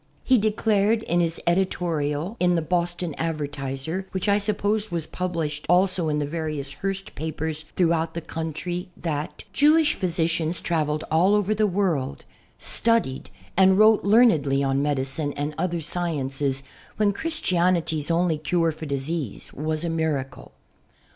He declared in his editorial 20 SECOND HAND HISTORY in the Boston Advertiser, which I suppose was pul)Hshed also in the various Hearst papers throughout the country, that "Jewish physicians traveled all over the world, studied and wrote learnedly on medicine and other sciences when Christianity's only cure for disease was a miracle."